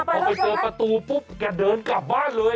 พอไปเจอประตูปุ๊บแกเดินกลับบ้านเลย